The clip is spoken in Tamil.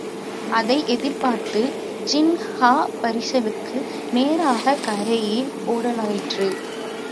அதை எதிர்பார்த்து ஜின்கா பரிசலுக்கு நேராகக் கரையில் ஓடலாயிற்று.